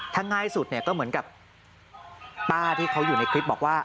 ถ้าง่ายสุดเนี่ยก็เหมือนกับป้าที่เขาอยู่ในคลิปบอกว่า